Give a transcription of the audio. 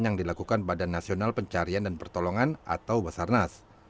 yang dilakukan badan nasional pencarian dan pertolongan atau basarnas